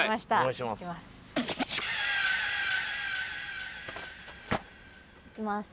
いきます。